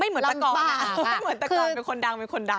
มันเหมือนแต่ก่อนเป็นคนดัง